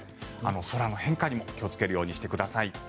空の変化にも気をつけるようにしてください。